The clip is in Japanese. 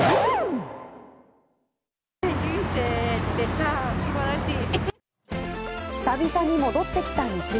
人生ってさあ、すばらしい。